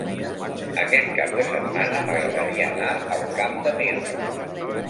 Aquest cap de setmana m'agradaria anar al Camp de Mirra.